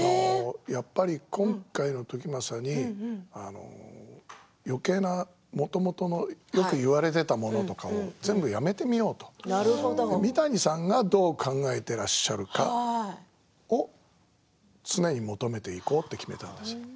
今回の時政によけいな、もともとのよく言われていたものとかを全部辞めてみようと三谷さんがどう考えていらっしゃるかを常に求めていこうと決めたんです。